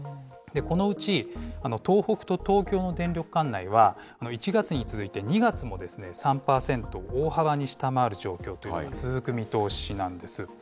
このうち東北と東京の電力管内は、１月に続いて２月も、３％を大幅に下回る状況というのが続く見通しなんです。